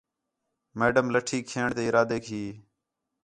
میڈم لٹھی کھیݨ تے ارادیک ہی